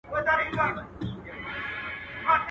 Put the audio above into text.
پر اوږو د وارثانو جنازه به دي زنګیږي.